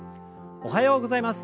おはようございます。